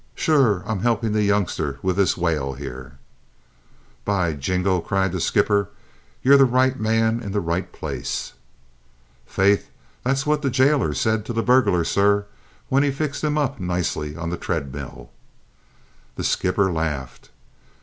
Sure, I'm helping the youngster with this whale here." "By jingo!" cried the skipper, "you're the right man in the right place!" "Faith, that's what the gaolor s'id to the burghlor, sor, when he fixed him up noicely on the treadmill!" The skipper laughed.